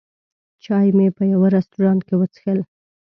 چای مې په یوه رستورانت کې وڅښل.